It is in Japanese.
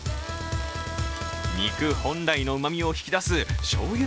肉本来のうまみをひきだすしょうゆ